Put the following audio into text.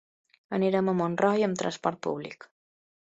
Anirem a Montroi amb transport públic.